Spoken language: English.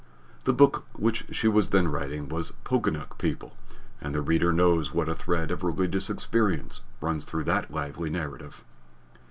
The book which she was then writing was Poganuc People, and the reader knows what a thread of religious experience runs through that lively narrative.